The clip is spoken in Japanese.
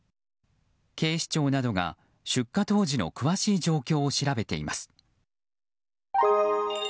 警視庁などが出火当時の詳しい状況を調べています。